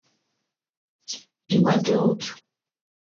Igual que o outro.